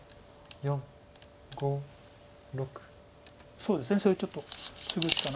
そうですねそれちょっとツグしかないです。